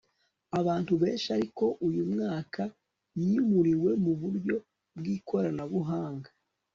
abantu benshi ariko uyu mwaka yimuriwe mu buryo bw'ikoranabuhanga